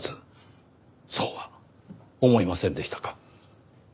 そうは思いませんでしたか？